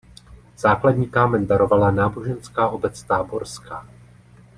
Základní kámen darovala náboženská obec táborská.